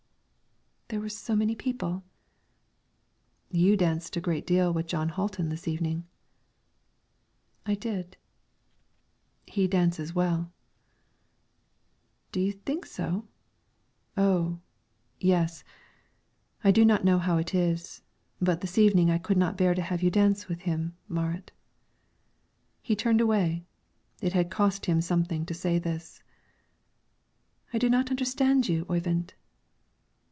"There were so many people." "You danced a great deal with Jon Hatlen this evening." "I did." "He dances well." "Do you think so?" "Oh, yes. I do not know how it is, but this evening I could not bear to have you dance with him, Marit." He turned away, it had cost him something to say this. "I do not understand you, Oyvind."